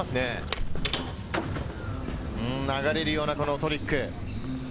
流れるような、このトリック。